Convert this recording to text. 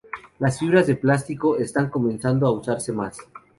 Las fibras de plástico están comenzando a usarse más.